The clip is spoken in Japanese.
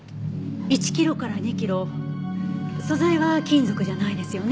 １キロから２キロ素材は金属じゃないですよね？